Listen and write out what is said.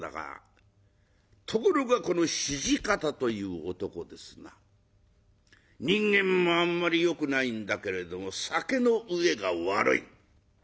ところがこの土方という男ですな人間もあんまりよくないんだけれども酒のうえが悪い。